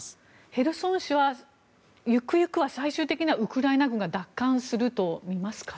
ヘルソン市は、ゆくゆくは最終的にはウクライナ軍が奪還するとみますか？